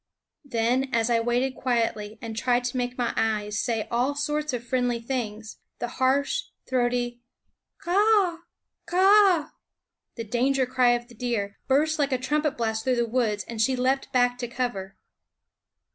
Then, as I waited quietly and tried to make my eyes say all sorts of friendly things, the harsh, throaty K a a a h! k a a a h! the danger cry of the deer, burst like a trumpet blast through the woods, and she leaped back to cover.